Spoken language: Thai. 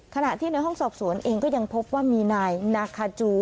ขณะที่ในห้องสอบสวนเองก็ยังพบว่ามีนายนาคาจู